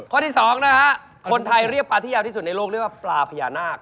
ข้อที่๒นะฮะคนไทยเรียกปลาที่ยาวที่สุดในโลกเรียกว่าปลาพญานาค